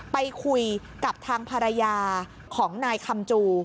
ไปคุยกับทางภรรยาของนายคำจู